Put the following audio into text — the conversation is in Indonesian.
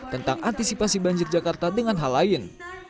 tentang antisipasi banjir jakarta dengan hal lain